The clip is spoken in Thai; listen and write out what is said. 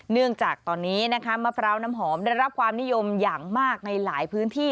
เนื่องจากตอนนี้นะคะมะพร้าวน้ำหอมได้รับความนิยมอย่างมากในหลายพื้นที่